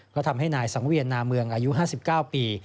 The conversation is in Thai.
ก็ทำให้นายสังเวียนนาเมืองอายุ๕๙ปี